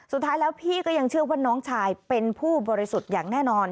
สุดท้ายแล้วพี่ก็ยังเชื่อว่าน้องชายเป็นผู้บริสุทธิ์อย่างแน่นอน